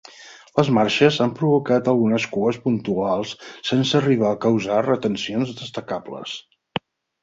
Les marxes han provocat algunes cues puntuals sense arribar a causar retencions destacables.